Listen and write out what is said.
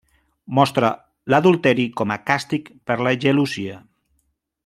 Mostra l'adulteri com a càstig per la gelosia.